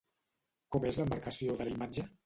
Com és l'embarcació de la imatge?